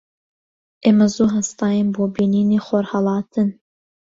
ئێمە زوو هەستاین بۆ بینینی خۆرهەڵاتن.